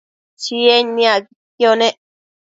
Chied niacquidquio nec